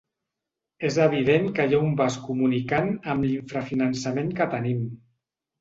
És evident que hi ha un vas comunicant amb l’infrafinançament que tenim.